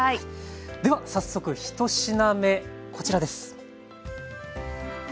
では早速１品目こちらです。